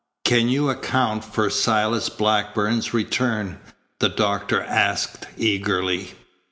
"Can you account for Silas Blackburn's return?" the doctor asked eagerly.